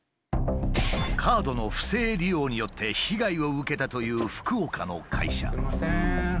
カードの不正利用によって被害を受けたという福岡の会社。